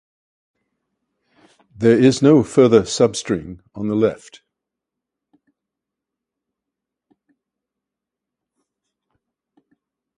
There is no further substring on the left.